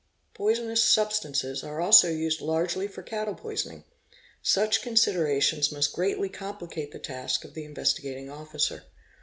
Poisonous substances are also used largely fe cattle poisoning. Such considerations must greatly complicate the task of the Investigating Officer.